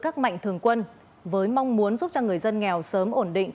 các mạnh thường quân với mong muốn giúp cho người dân nghèo sớm ổn định